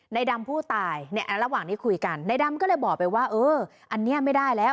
ในดำผู้ตายเนี่ยระหว่างที่คุยกันในดำก็เลยบอกไปว่าเอออันนี้ไม่ได้แล้ว